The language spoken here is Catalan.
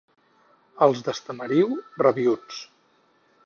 Els d'Estamariu, rabiüts.